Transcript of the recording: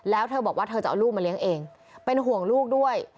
แล้วเธอบอกว่าเธอจะเอาลูกมาเลี้ยงเองเป็นห่วงลูกด้วย